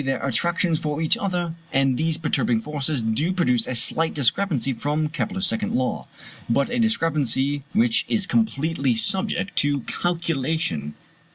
their attractions for each other; and these perturbing forces do produce a slight discrepancy from Kepler's second law, but a discrepancy which is completely subject to calculation.